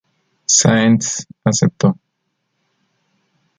Zaentz aceptó.